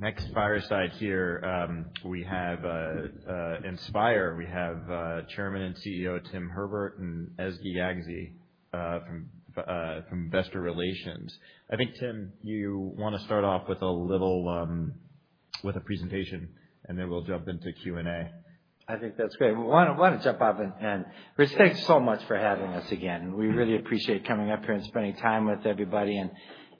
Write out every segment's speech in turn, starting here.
All right. Next fireside here, we have Inspire. We have Chairman and CEO Tim Herbert and Ezgi Yagci from Investor Relations. I think, Tim, you want to start off with a little presentation, and then we'll jump into Q&A. I think that's great. I want to jump off and respect so much for having us again. We really appreciate coming up here and spending time with everybody.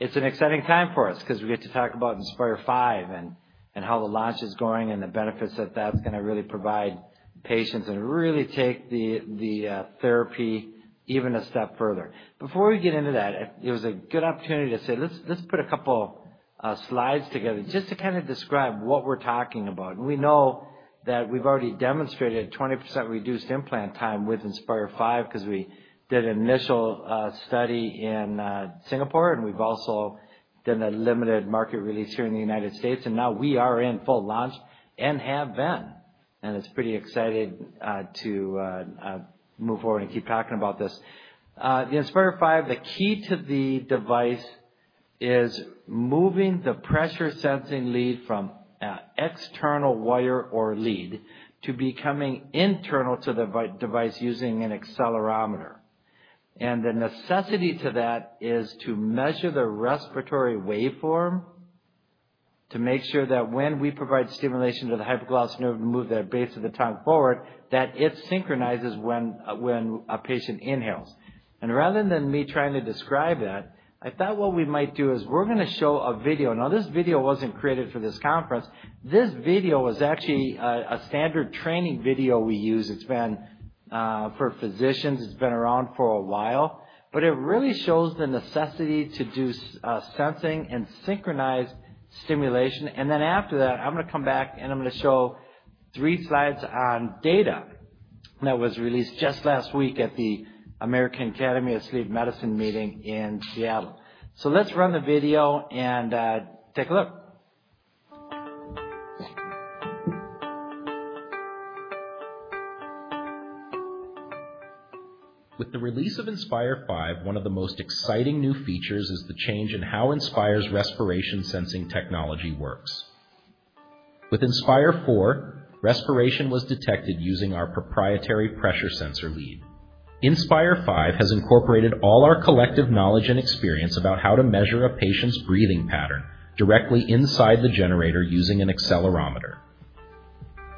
It's an exciting time for us because we get to talk about Inspire V and how the launch is going and the benefits that that's going to really provide patients and really take the therapy even a step further. Before we get into that, it was a good opportunity to say, let's put a couple of slides together just to kind of describe what we're talking about. We know that we've already demonstrated a 20% reduced implant time with Inspire V because we did an initial study in Singapore, and we've also done a limited market release here in the United States. Now we are in full launch and have been. It is pretty exciting to move forward and keep talking about this. The Inspire V, the key to the device is moving the pressure sensing lead from external wire or lead to becoming internal to the device using an accelerometer. The necessity to that is to measure the respiratory waveform to make sure that when we provide stimulation to the hypoglossal nerve to move that base of the tongue forward, that it synchronizes when a patient inhales. Rather than me trying to describe that, I thought what we might do is we're going to show a video. This video was not created for this conference. This video was actually a standard training video we use. It is for physicians. It has been around for a while. It really shows the necessity to do sensing and synchronize stimulation. After that, I'm going to come back and I'm going to show three slides on data that was released just last week at the American Academy of Sleep Medicine meeting in Seattle. Let's run the video and take a look. With the release of Inspire V, one of the most exciting new features is the change in how Inspire's respiration sensing technology works. With Inspire 4, respiration was detected using our proprietary pressure sensing lead. Inspire V has incorporated all our collective knowledge and experience about how to measure a patient's breathing pattern directly inside the generator using an accelerometer.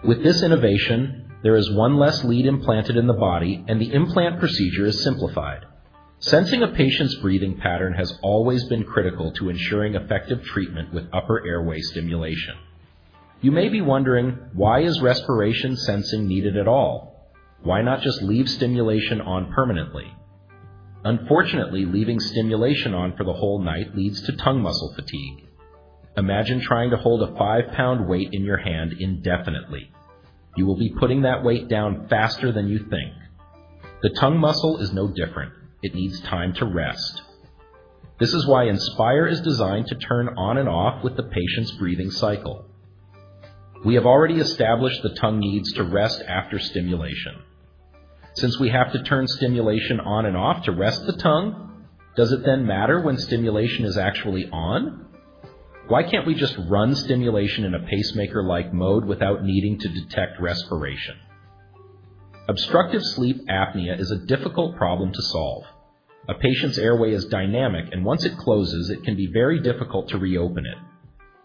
With this innovation, there is one less lead implanted in the body, and the implant procedure is simplified. Sensing a patient's breathing pattern has always been critical to ensuring effective treatment with upper airway stimulation. You may be wondering, why is respiration sensing needed at all? Why not just leave stimulation on permanently? Unfortunately, leaving stimulation on for the whole night leads to tongue muscle fatigue. Imagine trying to hold a 5-pound weight in your hand indefinitely. You will be putting that weight down faster than you think. The tongue muscle is no different. It needs time to rest. This is why Inspire is designed to turn on and off with the patient's breathing cycle. We have already established the tongue needs to rest after stimulation. Since we have to turn stimulation on and off to rest the tongue, does it then matter when stimulation is actually on? Why can't we just run stimulation in a pacemaker-like mode without needing to detect respiration? Obstructive sleep apnea is a difficult problem to solve. A patient's airway is dynamic, and once it closes, it can be very difficult to reopen it.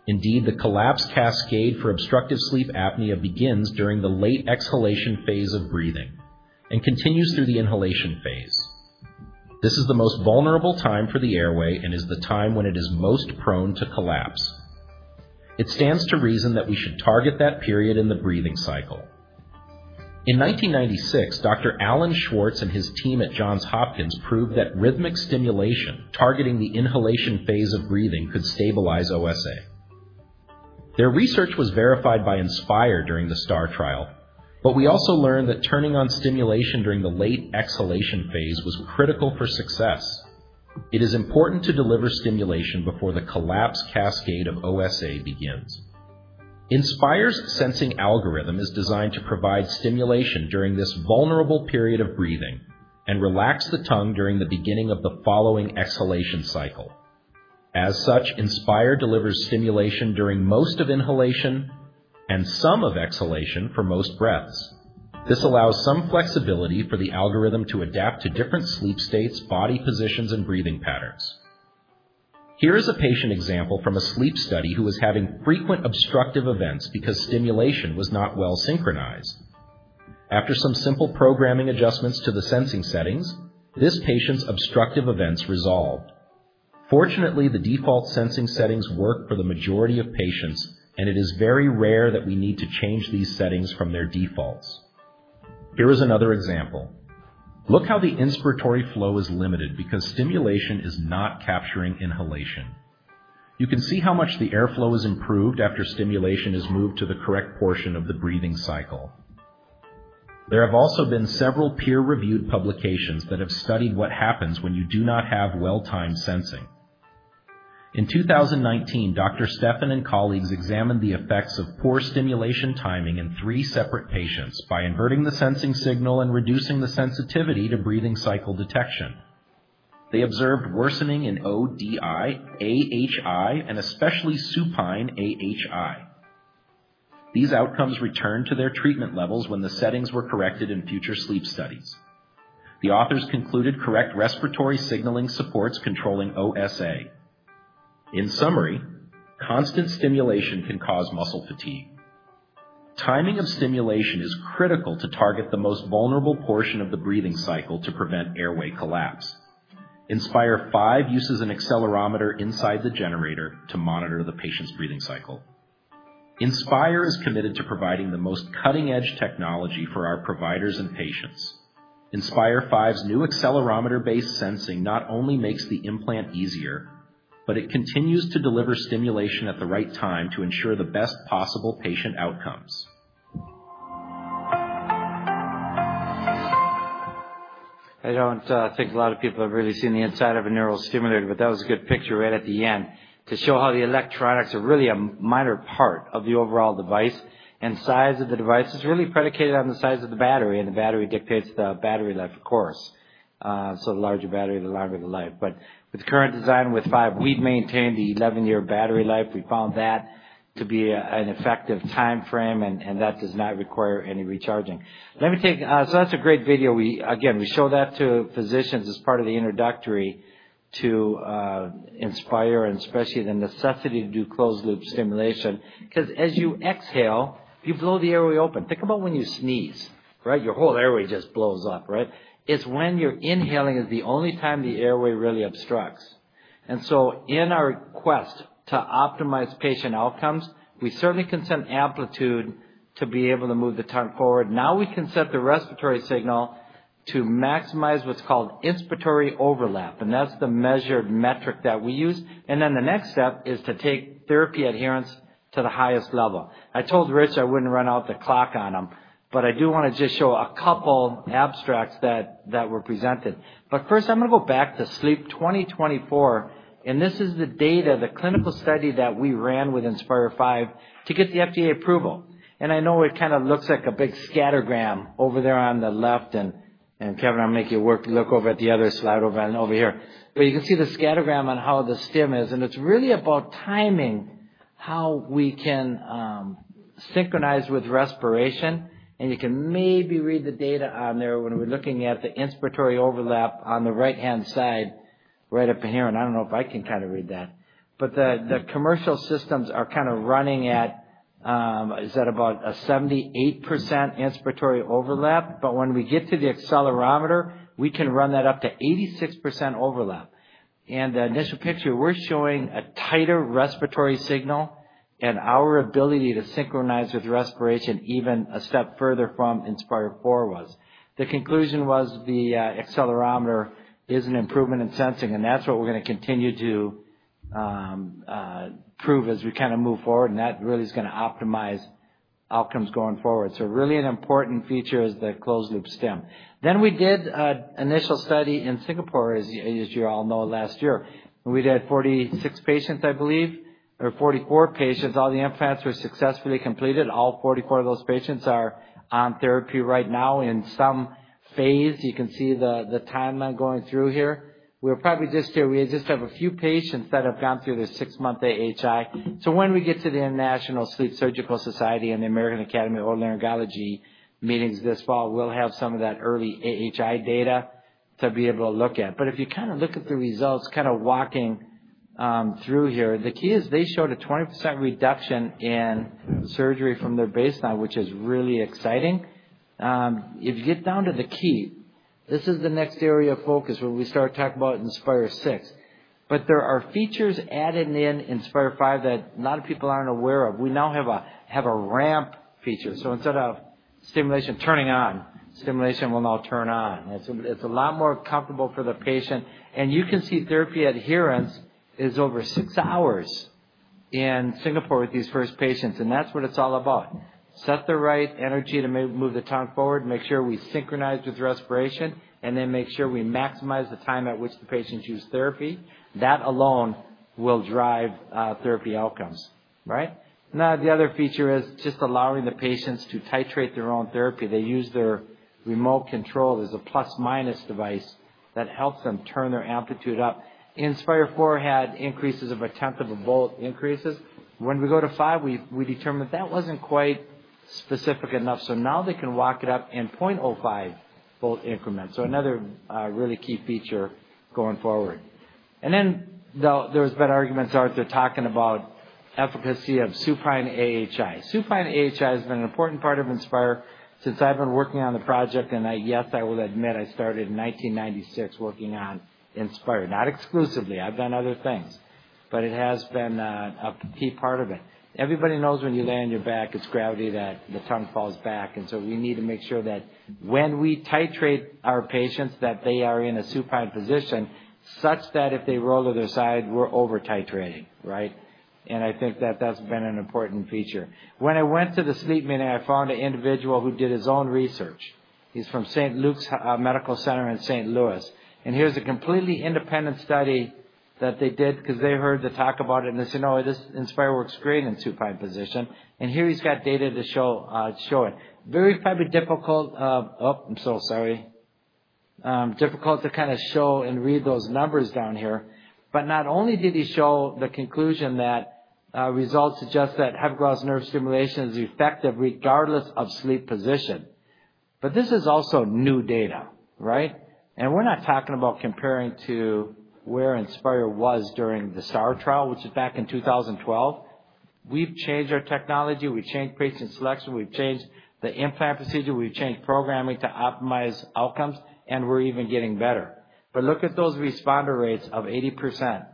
Indeed, the collapse cascade for obstructive sleep apnea begins during the late exhalation phase of breathing and continues through the inhalation phase. This is the most vulnerable time for the airway and is the time when it is most prone to collapse. It stands to reason that we should target that period in the breathing cycle. In 1996, Dr. Alan Schwartz and his team at Johns Hopkins proved that rhythmic stimulation targeting the inhalation phase of breathing could stabilize OSA. Their research was verified by Inspire during the STAR trial, but we also learned that turning on stimulation during the late exhalation phase was critical for success. It is important to deliver stimulation before the collapse cascade of OSA begins. Inspire's sensing algorithm is designed to provide stimulation during this vulnerable period of breathing and relax the tongue during the beginning of the following exhalation cycle. As such, Inspire delivers stimulation during most of inhalation and some of exhalation for most breaths. This allows some flexibility for the algorithm to adapt to different sleep states, body positions, and breathing patterns. Here is a patient example from a sleep study who was having frequent obstructive events because stimulation was not well synchronized. After some simple programming adjustments to the sensing settings, this patient's obstructive events resolved. Fortunately, the default sensing settings work for the majority of patients, and it is very rare that we need to change these settings from their defaults. Here is another example. Look how the inspiratory flow is limited because stimulation is not capturing inhalation. You can see how much the airflow is improved after stimulation is moved to the correct portion of the breathing cycle. There have also been several peer-reviewed publications that have studied what happens when you do not have well-timed sensing. In 2019, Dr. Stefan and colleagues examined the effects of poor stimulation timing in three separate patients by inverting the sensing signal and reducing the sensitivity to breathing cycle detection. They observed worsening in ODI, AHI, and especially supine AHI. These outcomes returned to their treatment levels when the settings were corrected in future sleep studies. The authors concluded correct respiratory signaling supports controlling OSA. In summary, constant stimulation can cause muscle fatigue. Timing of stimulation is critical to target the most vulnerable portion of the breathing cycle to prevent airway collapse. Inspire 5 uses an accelerometer inside the generator to monitor the patient's breathing cycle. Inspire is committed to providing the most cutting-edge technology for our providers and patients. Inspire V's new accelerometer-based sensing not only makes the implant easier, but it continues to deliver stimulation at the right time to ensure the best possible patient outcomes. I don't think a lot of people have really seen the inside of a neural stimulator, but that was a good picture right at the end to show how the electronics are really a minor part of the overall device. The size of the device is really predicated on the size of the battery, and the battery dictates the battery life, of course. The larger battery, the longer the life. With the current design with five, we've maintained the 11-year battery life. We found that to be an effective time frame, and that does not require any recharging. That's a great video. Again, we show that to physicians as part of the introductory to Inspire and especially the necessity to do closed-loop stimulation. As you exhale, you blow the airway open. Think about when you sneeze, right? Your whole airway just blows up, right? It's when you're inhaling is the only time the airway really obstructs. In our quest to optimize patient outcomes, we certainly can send amplitude to be able to move the tongue forward. Now we can set the respiratory signal to maximize what's called inspiratory overlap. That's the measured metric that we use. The next step is to take therapy adherence to the highest level. I told Rich I wouldn't run out the clock on them, but I do want to just show a couple abstracts that were presented. First, I'm going to go back to Sleep 2024, and this is the data, the clinical study that we ran with Inspire V to get the FDA approval. I know it kind of looks like a big scattergram over there on the left. Kevin, I'll make you look over at the other slide over here. You can see the scattergram on how the stim is. It's really about timing how we can synchronize with respiration. You can maybe read the data on there when we're looking at the inspiratory overlap on the right-hand side, right up in here. I don't know if I can kind of read that. The commercial systems are kind of running at, is that about a 78% inspiratory overlap? When we get to the accelerometer, we can run that up to 86% overlap. The initial picture, we're showing a tighter respiratory signal and our ability to synchronize with respiration even a step further from Inspire 4 was. The conclusion was the accelerometer is an improvement in sensing, and that's what we're going to continue to prove as we kind of move forward. That really is going to optimize outcomes going forward. Really an important feature is the closed-loop stim. We did an initial study in Singapore, as you all know, last year. We did 46 patients, I believe, or 44 patients. All the implants were successfully completed. All 44 of those patients are on therapy right now in some phase. You can see the timeline going through here. We're probably just here. We just have a few patients that have gone through their six-month AHI. When we get to the International Sleep Surgical Society and the American Academy of Otolaryngology meetings this fall, we'll have some of that early AHI data to be able to look at. If you kind of look at the results, kind of walking through here, the key is they showed a 20% reduction in surgery from their baseline, which is really exciting. If you get down to the key, this is the next area of focus where we start talking about Inspire 6. There are features added in Inspire V that a lot of people aren't aware of. We now have a ramp feature. Instead of stimulation turning on, stimulation will now turn on. It's a lot more comfortable for the patient. You can see therapy adherence is over six hours in Singapore with these first patients. That's what it's all about. Set the right energy to move the tongue forward, make sure we synchronize with respiration, and then make sure we maximize the time at which the patients use therapy. That alone will drive therapy outcomes, right? Now, the other feature is just allowing the patients to titrate their own therapy. They use their remote control as a plus-minus device that helps them turn their amplitude up. Inspire 4 had increases of a tenth of a volt increases. When we go to five, we determined that was not quite specific enough. Now they can walk it up in 0.05 volt increments. Another really key feature going forward. There have been arguments out there talking about efficacy of supine AHI. Supine AHI has been an important part of Inspire since I have been working on the project. Yes, I will admit I started in 1996 working on Inspire, not exclusively. I have done other things, but it has been a key part of it. Everybody knows when you lay on your back, it is gravity that the tongue falls back. We need to make sure that when we titrate our patients, that they are in a supine position such that if they roll to their side, we're over-titrating, right? I think that that's been an important feature. When I went to the sleep meeting, I found an individual who did his own research. He's from St. Luke's Medical Center in St. Louis. Here's a completely independent study that they did because they heard the talk about it. They said, "Oh, this Inspire works great in supine position." Here he's got data to show it. Very probably difficult. Oh, I'm so sorry. Difficult to kind of show and read those numbers down here. Not only did he show the conclusion that results suggest that hypoglossal nerve stimulation is effective regardless of sleep position, but this is also new data, right? We're not talking about comparing to where Inspire was during the STAR trial, which was back in 2012. We've changed our technology. We've changed patient selection. We've changed the implant procedure. We've changed programming to optimize outcomes. We're even getting better. Look at those responder rates of 80%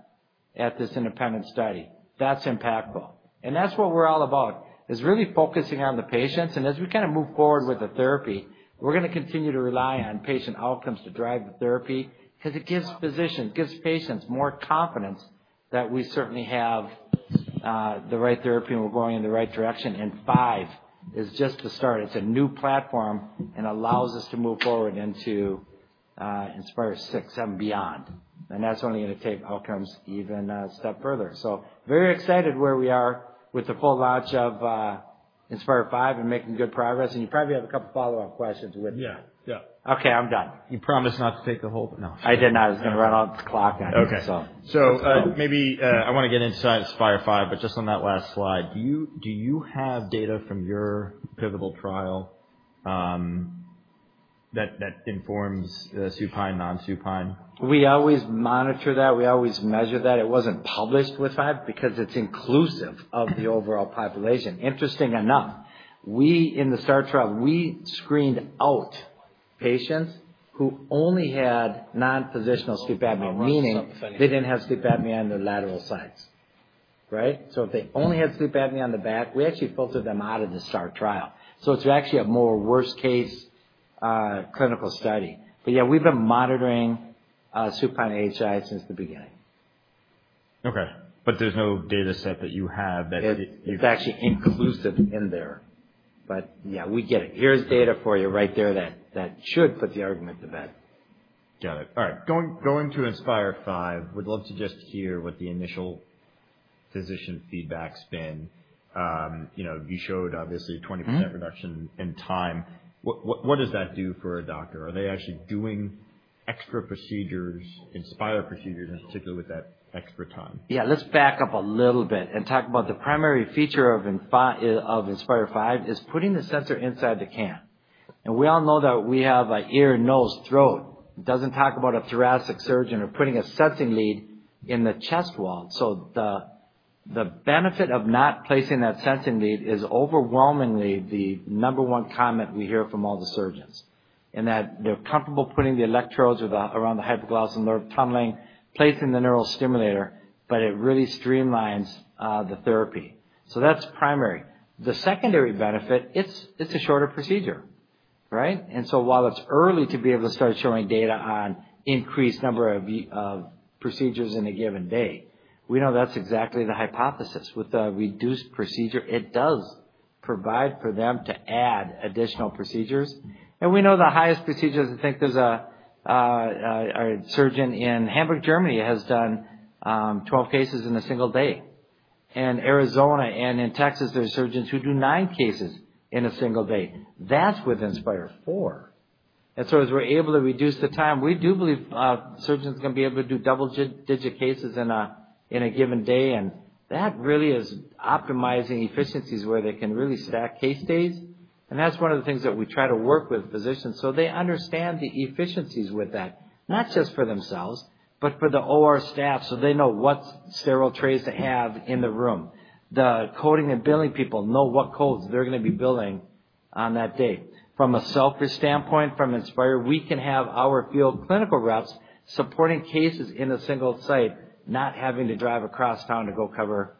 at this independent study. That's impactful. That's what we're all about, really focusing on the patients. As we kind of move forward with the therapy, we're going to continue to rely on patient outcomes to drive the therapy because it gives physicians, gives patients more confidence that we certainly have the right therapy and we're going in the right direction. Five is just the start. It's a new platform and allows us to move forward into Inspire 6 and beyond. That's only going to take outcomes even a step further. Very excited where we are with the full launch of Inspire 5 and making good progress. You probably have a couple of follow-up questions with me. Yeah. Yeah. Okay. I'm done. You promised not to take the whole thing. I did not. I was going to run out the clock on you, so. Okay. Maybe I want to get inside Inspire 5, but just on that last slide. Do you have data from your pivotal trial that informs supine, non-supine? We always monitor that. We always measure that. It wasn't published with five because it's inclusive of the overall population. Interesting enough, in the STAR trial, we screened out patients who only had non-positional sleep apnea, meaning they didn't have sleep apnea on their lateral sides, right? If they only had sleep apnea on the back, we actually filtered them out of the STAR trial. It's actually a more worst-case clinical study. Yeah, we've been monitoring supine AHI since the beginning. Okay. There is no data set that you have that. It's actually inclusive in there. Yeah, we get it. Here's data for you right there that should put the argument to bed. Got it. All right. Going to Inspire V, would love to just hear what the initial physician feedback has been. You showed obviously a 20% reduction in time. What does that do for a doctor? Are they actually doing extra procedures, Inspire procedures, in particular with that extra time? Yeah. Let's back up a little bit and talk about the primary feature of Inspire V is putting the sensor inside the can. We all know that we have an ear, nose, throat. It does not talk about a thoracic surgeon or putting a sensing lead in the chest wall. The benefit of not placing that sensing lead is overwhelmingly the number one comment we hear from all the surgeons, in that they're comfortable putting the electrodes around the hypoglossal nerve, tunneling, placing the neural stimulator, but it really streamlines the therapy. That is primary. The secondary benefit, it's a shorter procedure, right? While it's early to be able to start showing data on increased number of procedures in a given day, we know that's exactly the hypothesis. With the reduced procedure, it does provide for them to add additional procedures. We know the highest procedures. I think there's a surgeon in Hamburg, Germany who has done 12 cases in a single day. In Arizona and in Texas, there are surgeons who do nine cases in a single day. That's with Inspire 4. As we're able to reduce the time, we do believe surgeons are going to be able to do double-digit cases in a given day. That really is optimizing efficiencies where they can really stack case days. That's one of the things that we try to work with physicians on so they understand the efficiencies with that, not just for themselves, but for the OR staff so they know what sterile trays to have in the room. The coding and billing people know what codes they're going to be billing on that day. From a software standpoint, from Inspire, we can have our field clinical reps supporting cases in a single site, not having to drive across town to go cover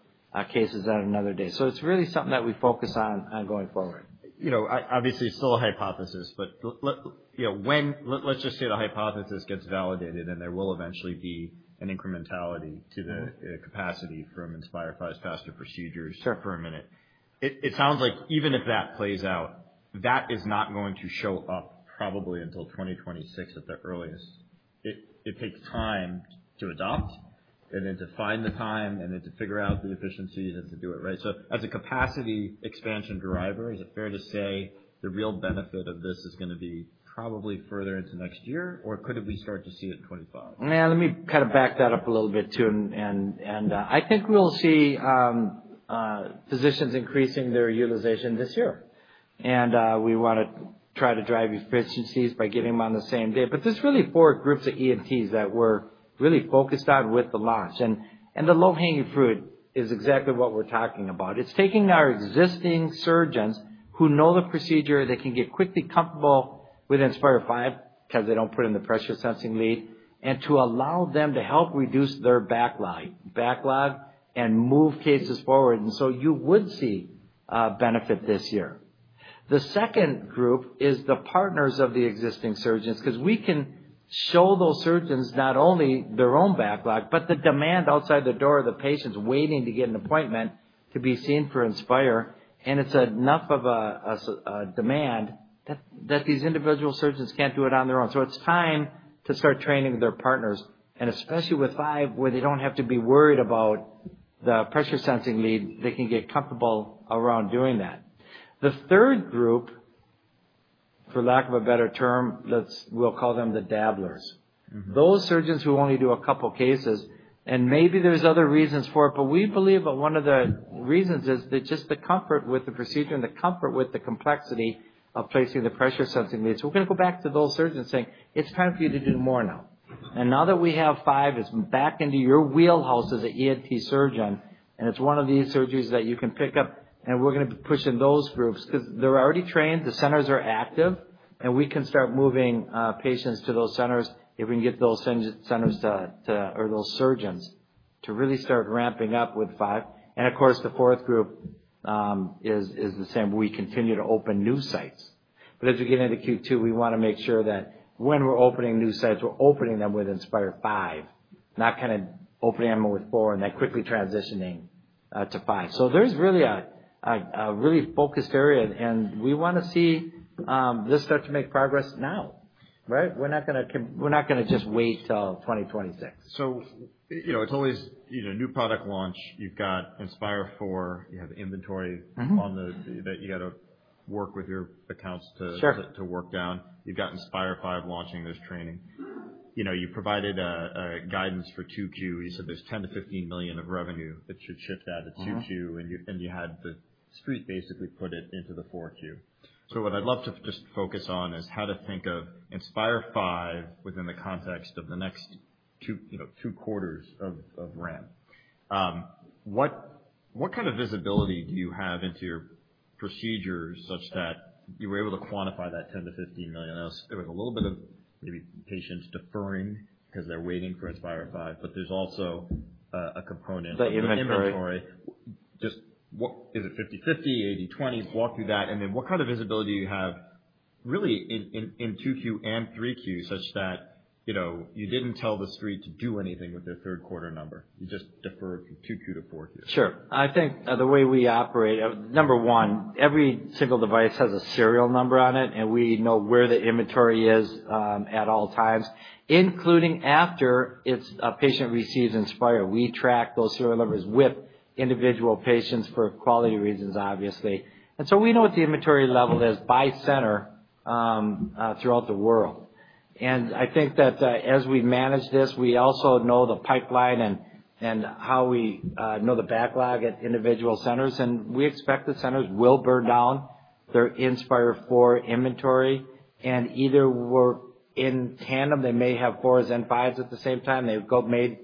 cases on another day. It is really something that we focus on going forward. Obviously, it's still a hypothesis, but let's just say the hypothesis gets validated, and there will eventually be an incrementality to the capacity from Inspire V's faster procedures for a minute. It sounds like even if that plays out, that is not going to show up probably until 2026 at the earliest. It takes time to adopt and then to find the time and then to figure out the efficiencies and to do it right. As a capacity expansion driver, is it fair to say the real benefit of this is going to be probably further into next year, or could we start to see it in 2025? Yeah. Let me kind of back that up a little bit too. I think we'll see physicians increasing their utilization this year. We want to try to drive efficiencies by getting them on the same day. There's really four groups of ENTs that we're really focused on with the launch. The low-hanging fruit is exactly what we're talking about. It's taking our existing surgeons who know the procedure, they can get quickly comfortable with Inspire V because they don't put in the pressure sensing lead, and to allow them to help reduce their backlog and move cases forward. You would see benefit this year. The second group is the partners of the existing surgeons because we can show those surgeons not only their own backlog, but the demand outside the door of the patients waiting to get an appointment to be seen for Inspire. It is enough of a demand that these individual surgeons cannot do it on their own. It is time to start training their partners. Especially with five, where they do not have to be worried about the pressure sensing lead, they can get comfortable around doing that. The third group, for lack of a better term, we will call them the dabblers. Those surgeons who only do a couple of cases, and maybe there are other reasons for it, but we believe one of the reasons is just the comfort with the procedure and the comfort with the complexity of placing the pressure sensing lead. We are going to go back to those surgeons saying, "It is time for you to do more now." Now that we have five, it is back into your wheelhouse as an ENT surgeon, and it is one of these surgeries that you can pick up. We're going to be pushing those groups because they're already trained. The centers are active, and we can start moving patients to those centers if we can get those centers or those surgeons to really start ramping up with five. The fourth group is the same. We continue to open new sites. As we get into Q2, we want to make sure that when we're opening new sites, we're opening them with Inspire V, not kind of opening them with four and then quickly transitioning to five. There's really a really focused area, and we want to see this start to make progress now, right? We're not going to just wait till 2026. It's always new product launch. You've got Inspire 4. You have inventory on that you got to work with your accounts to work down. You've got Inspire V launching. There's training. You provided guidance for 2Q. You said there's $10 million-$15 million of revenue that should shift out of 2Q, and you had the street basically put it into the 4Q. What I'd love to just focus on is how to think of Inspire V within the context of the next two quarters of RAM. What kind of visibility do you have into your procedures such that you were able to quantify that $10 million-$15 million? I know there was a little bit of maybe patients deferring because they're waiting for Inspire 5, but there's also a component. The inventory. Just is it 50/50, 80/20? Walk through that. What kind of visibility do you have really in 2Q and 3Q such that you did not tell the street to do anything with their third quarter number? You just deferred from 2Q to 4Q. Sure. I think the way we operate, number one, every single device has a serial number on it, and we know where the inventory is at all times, including after a patient receives Inspire. We track those serial numbers with individual patients for quality reasons, obviously. We know what the inventory level is by center throughout the world. I think that as we manage this, we also know the pipeline and how we know the backlog at individual centers. We expect the centers will burn down their Inspire 4 inventory. Either in tandem, they may have 4s and 5s at the same time. They may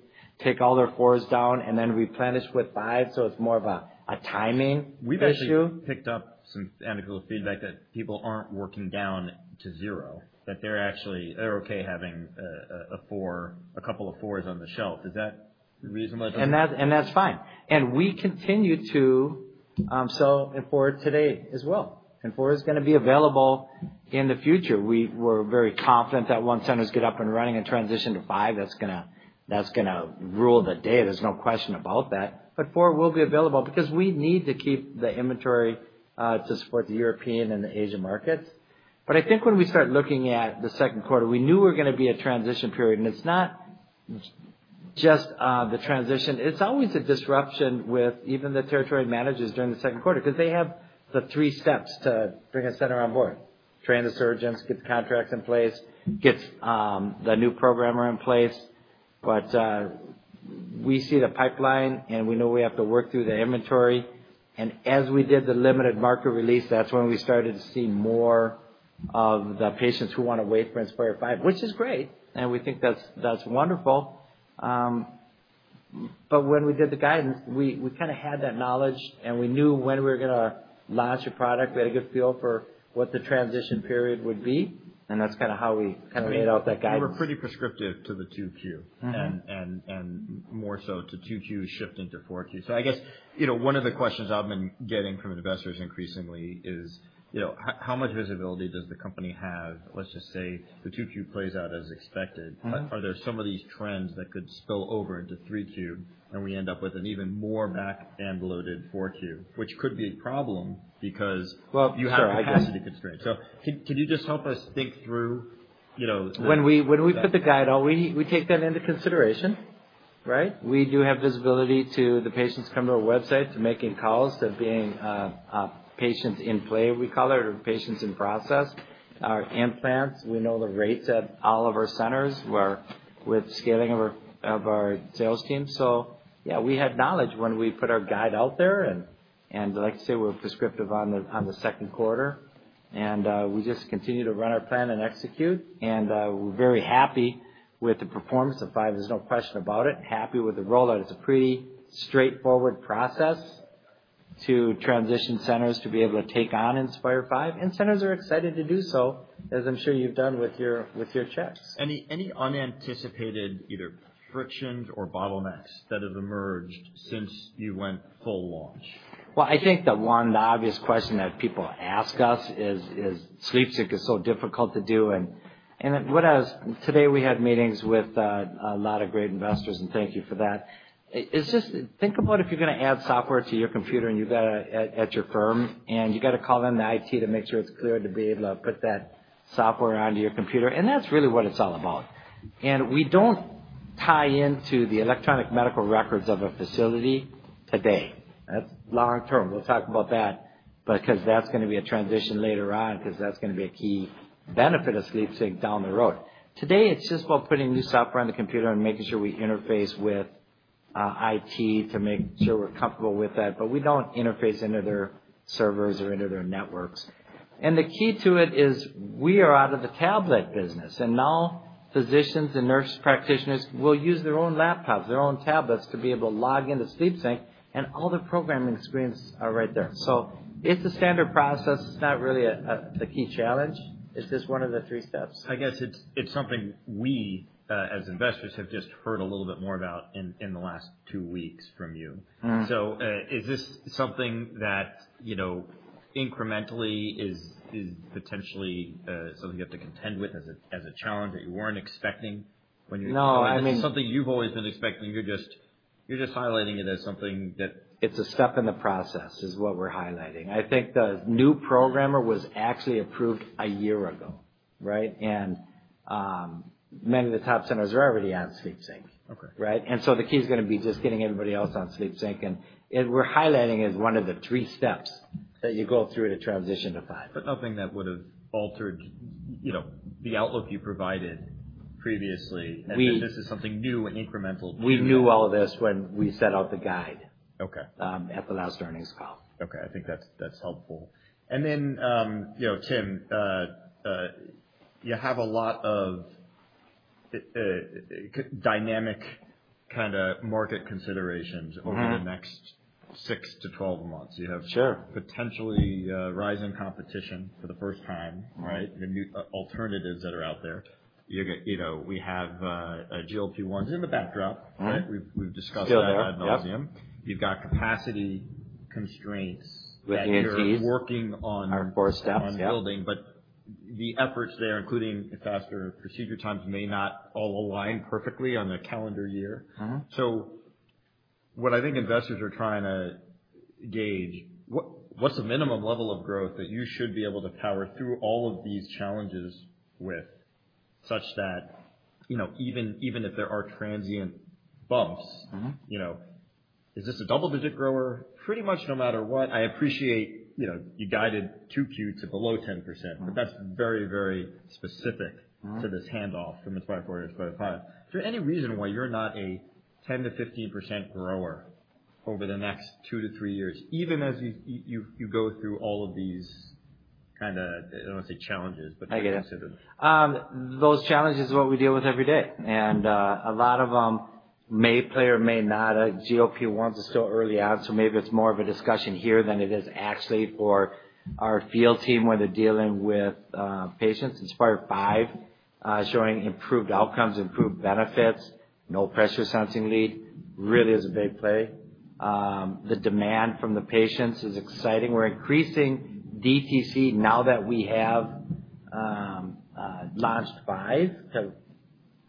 take all their 4s down and then replenish with 5s. It is more of a timing issue. We've actually picked up some anecdotal feedback that people aren't working down to zero, that they're okay having a couple of 4s on the shelf. Is that reasonable? That is fine. We continue to sell in four today as well. Four is going to be available in the future. We are very confident that once centers get up and running and transition to five, that is going to rule the day. There is no question about that. Four will be available because we need to keep the inventory to support the European and the Asian markets. I think when we start looking at the second quarter, we knew we were going to be in a transition period. It is not just the transition. It is always a disruption with even the territory managers during the second quarter because they have the three steps to bring a center on board, train the surgeons, get the contracts in place, get the new programmer in place. We see the pipeline, and we know we have to work through the inventory. As we did the limited market release, that's when we started to see more of the patients who want to wait for Inspire V, which is great. We think that's wonderful. When we did the guidance, we kind of had that knowledge, and we knew when we were going to launch a product. We had a good feel for what the transition period would be. That's kind of how we kind of laid out that guidance. You were pretty prescriptive to the 2Q and more so to 2Q shifting to 4Q. I guess one of the questions I've been getting from investors increasingly is how much visibility does the company have? Let's just say the 2Q plays out as expected. Are there some of these trends that could spill over into 3Q and we end up with an even more back-and-loaded 4Q, which could be a problem because you have capacity constraints? Can you just help us think through? When we put the guide out, we take that into consideration, right? We do have visibility to the patients who come to our website, to making calls, to being patients in play, we call it, or patients in process, our implants. We know the rates at all of our centers with scaling of our sales team. Yeah, we had knowledge when we put our guide out there. Like I say, we're prescriptive on the second quarter. We just continue to run our plan and execute. We're very happy with the performance of fire. There's no question about it. Happy with the rollout. It's a pretty straightforward process to transition centers to be able to take on Inspire V. Centers are excited to do so, as I'm sure you've done with your checks. Any unanticipated either frictions or bottlenecks that have emerged since you went full launch? I think the one obvious question that people ask us is Sleep Sync is so difficult to do. Today we had meetings with a lot of great investors, and thank you for that. Just think about if you're going to add software to your computer at your firm, and you got to call in the IT to make sure it's clear to be able to put that software onto your computer. That's really what it's all about. We don't tie into the electronic medical records of a facility today. That's long-term. We'll talk about that because that's going to be a transition later on because that's going to be a key benefit of Sleep Sync down the road. Today, it's just about putting new software on the computer and making sure we interface with IT to make sure we're comfortable with that. We do not interface into their servers or into their networks. The key to it is we are out of the tablet business. Now physicians and nurse practitioners will use their own laptops, their own tablets to be able to log into Sleep Sync. All the programming screens are right there. It is a standard process. It is not really a key challenge. It is just one of the three steps. I guess it's something we, as investors, have just heard a little bit more about in the last two weeks from you. Is this something that incrementally is potentially something you have to contend with as a challenge that you weren't expecting when you're? No. Is this something you've always been expecting? You're just highlighting it as something that. It's a step in the process is what we're highlighting. I think the new programmer was actually approved a year ago, right? Many of the top centers are already on Sleep Sync, right? The key is going to be just getting everybody else on Sleep Sync. We're highlighting it as one of the three steps that you go through to transition to 5. Nothing that would have altered the outlook you provided previously. We. This is something new and incremental. We knew all this when we set out the guide at the last earnings call. Okay. I think that's helpful. Then, Tim, you have a lot of dynamic kind of market considerations over the next 6 to 12 months. You have potentially rising competition for the first time, right? Alternatives that are out there. We have GLP-1s in the backdrop, right? We've discussed that ad nauseam. You've got capacity constraints. The EMTs. That you're working on. Our four steps. On building. The efforts there, including faster procedure times, may not all align perfectly on the calendar year. What I think investors are trying to gauge, what's the minimum level of growth that you should be able to power through all of these challenges with such that even if there are transient bumps, is this a double-digit grower? Pretty much no matter what. I appreciate you guided 2Q to below 10%, but that's very, very specific to this handoff from Inspire 4 to Inspire V. Is there any reason why you're not a 10-15% grower over the next two to three years, even as you go through all of these kind of, I don't want to say challenges, but. I get it. Those challenges are what we deal with every day. A lot of them may play or may not. GLP-1s are still early on, so maybe it's more of a discussion here than it is actually for our field team when they're dealing with patients. Inspire V, showing improved outcomes, improved benefits. No pressure sensing lead really is a big play. The demand from the patients is exciting. We're increasing DTC now that we have launched five to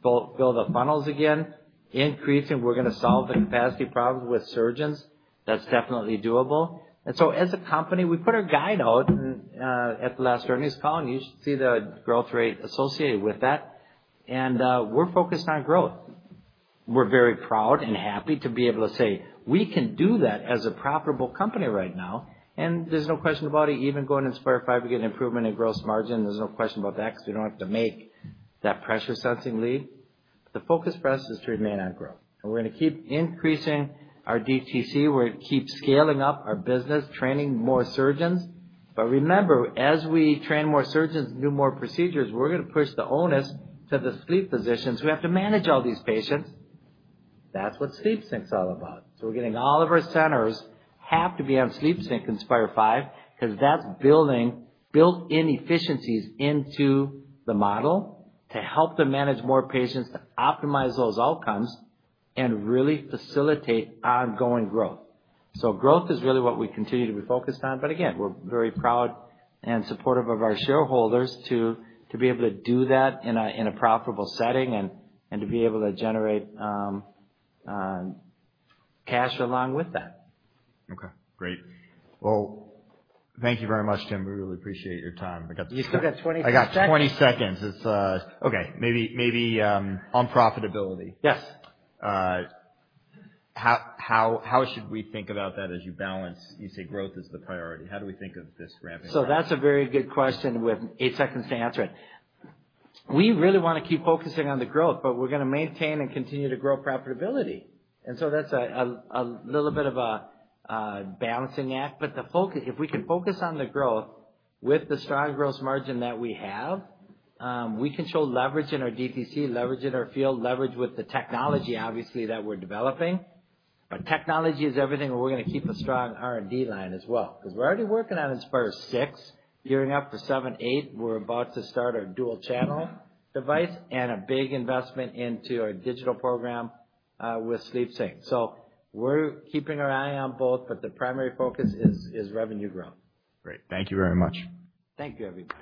fill the funnels again. Increasing. We're going to solve the capacity problems with surgeons. That's definitely doable. As a company, we put our guide out at the last earnings call, and you should see the growth rate associated with that. We're focused on growth. We're very proud and happy to be able to say, "We can do that as a profitable company right now." There's no question about it. Even going to Inspire V, we get an improvement in gross margin. There's no question about that because we don't have to make that pressure sensing lead. The focus for us is to remain on growth. We're going to keep increasing our DTC. We're going to keep scaling up our business, training more surgeons. Remember, as we train more surgeons, new more procedures, we're going to push the onus to the sleep physicians. We have to manage all these patients. That's what Sleep Sync's all about. We're getting all of our centers have to be on Sleep Sync Inspire V because that's building built-in efficiencies into the model to help them manage more patients, to optimize those outcomes, and really facilitate ongoing growth. Growth is really what we continue to be focused on. Again, we're very proud and supportive of our shareholders to be able to do that in a profitable setting and to be able to generate cash along with that. Okay. Great. Thank you very much, Tim. We really appreciate your time. I got to. You still got 20 seconds? I got 20 seconds. Okay. Maybe on profitability. Yes. How should we think about that as you balance, you say growth is the priority? How do we think of this ramping up? That's a very good question with eight seconds to answer it. We really want to keep focusing on the growth, but we're going to maintain and continue to grow profitability. That's a little bit of a balancing act. If we can focus on the growth with the strong gross margin that we have, we can show leverage in our DTC, leverage in our field, leverage with the technology, obviously, that we're developing. Technology is everything, and we're going to keep a strong R&D line as well because we're already working on Inspire 6, gearing up for seven, eight. We're about to start our dual-channel device and a big investment into our digital program with Sleep Sync. We're keeping our eye on both, but the primary focus is revenue growth. Great. Thank you very much. Thank you, everybody.